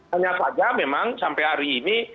hanya saja memang sampai hari ini